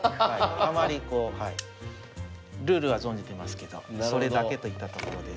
あまりこうはいルールは存じてますけどそれだけといったところです。